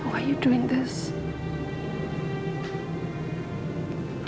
kamu telah menjadikan saya